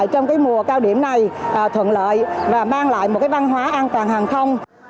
trong mùa cao điểm này thuận lợi và mang lại một văn hóa an toàn hàng không